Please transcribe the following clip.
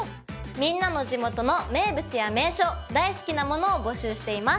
みんなの地元の名物や名所大好きなものを募集しています。